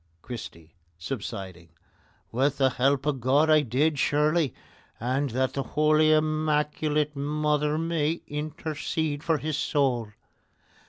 CHRISTY (subsiding): With the help of God I did surely, and that the Holy Immaculate Mother may intercede for his soul.